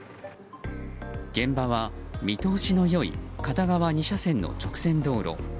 現場は見通しの良い片側２車線の直線道路。